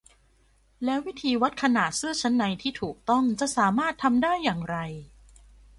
แล้ววิธีวัดขนาดเสื้อชั้นในที่ถูกต้องจะสามารถทำได้อย่างไร